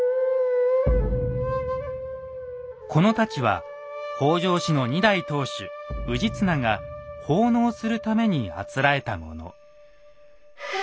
この太刀は北条氏の２代当主氏綱が奉納するためにあつらえたもの。